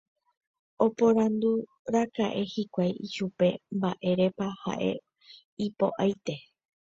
Oporandúraka'e hikuái ichupe mba'érepa ha'e ipo'aite.